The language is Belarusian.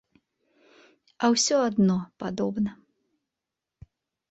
А ўсё адно падобна.